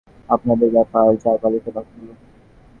আমার যা বলবার বললাম, বাকিটা আপনাদের ব্যাপার।